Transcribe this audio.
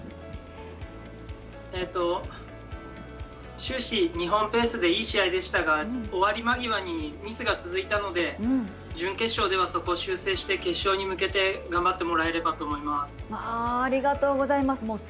終始日本ペースでいい試合でしたが終わり間際にミスが続いたので準決勝ではそこを修正して決勝に向けて頑張ってもらえればと思います。